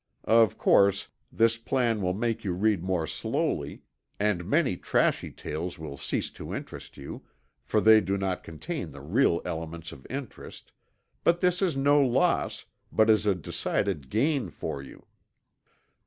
Of course, this plan will make you read more slowly, and many trashy tales will cease to interest you, for they do not contain the real elements of interest but this is no loss, but is a decided gain for you.